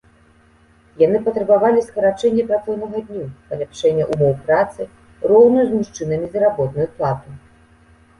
Яны патрабавалі скарачэння працоўнага дню, паляпшэння ўмоў працы, роўную з мужчынамі заработную плату.